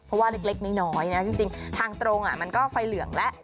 เพราะว่าเล็กน้อยนะจริงทางตรงมันก็ไฟเหลืองแล้ว